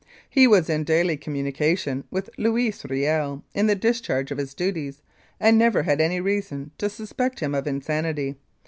He was in daily communication with Louis Riel in the discharge of his duties, and never had any reason to suspect him of insanity.